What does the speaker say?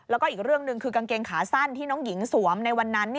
แล้วก็อีกเรื่องหนึ่งคือกางเกงขาสั้นที่น้องหญิงสวมในวันนั้น